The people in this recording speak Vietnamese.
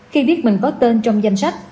khi biết mình có tên trong danh sách